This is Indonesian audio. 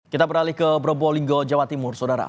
kita beralih ke probolinggo jawa timur saudara